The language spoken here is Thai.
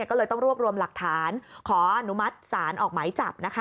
ก็เลยต้องรวบรวมหลักฐานขออนุมัติศาลออกหมายจับนะคะ